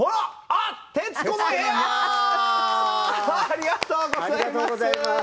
ありがとうございます。